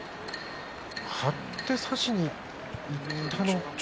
張って差しにいったんですかね。